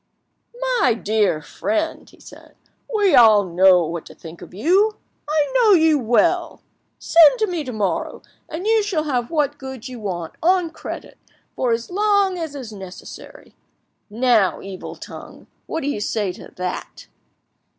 "My dear friend," he said, "we all know what to think of you. I know you well. Send to me tomorrow, and you shall have what goods you want, on credit, for as long as is necessary. Now, evil tongue, what do you say to that?"